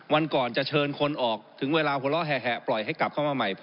วันก่อนจะเชิญคนออกถึงเวลาหัวเราะแห่ปล่อยให้กลับเข้ามาใหม่